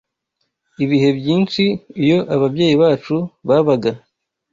Ibihe byinshi, iyo ababyeyi bacu babaga